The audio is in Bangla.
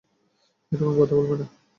এরকম কথা বলবে না।